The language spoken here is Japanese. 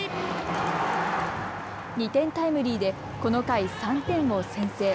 ２点タイムリーで、この回３点を先制。